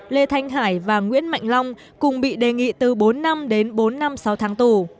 lê thanh hải và nguyễn mạnh long cùng bị đề nghị từ bốn năm đến bốn năm sáu tháng tù